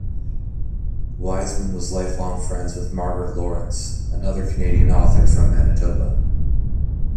Wiseman was lifelong friends with Margaret Laurence, another Canadian author from Manitoba.